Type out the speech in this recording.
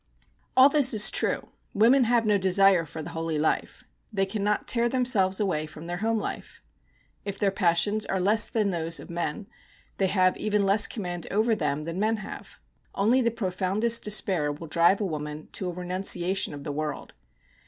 All this is true. Women have no desire for the holy life. They cannot tear themselves away from their home life. If their passions are less than those of men, they have even less command over them than men have. Only the profoundest despair will drive a woman to a renunciation of the world.